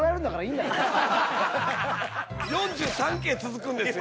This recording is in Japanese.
４３京続くんですよ。